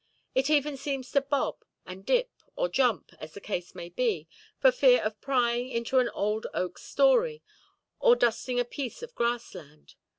It even seems to bob and dip, or jump, as the case may be, for fear of prying into an old oakʼs storey or dusting a piece of grass land.